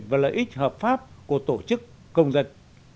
và lợi ích hợp pháp của tổ chức công dân